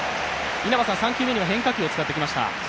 稲葉さん、３球目には変化球を使ってきました。